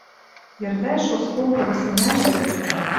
Йӹрвӓш осколкы вӹсӹмӓштӹ